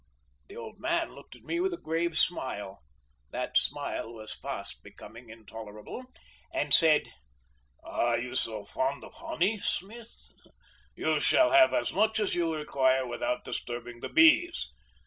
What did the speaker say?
The old man looked at me with a grave smile that smile was fast becoming intolerable and said: "Are you so fond of honey, Smith? You shall have as much as you require without disturbing the bees.